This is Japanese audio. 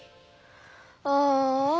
ああ。